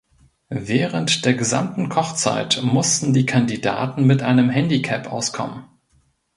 Während der gesamten Kochzeit mussten die Kandidaten mit einem Handicap auskommen.